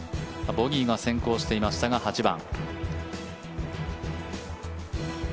ボギーが先行していましたが８番。